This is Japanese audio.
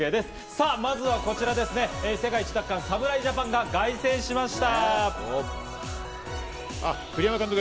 さぁまずは世界一奪還、侍ジャパンが凱旋しました。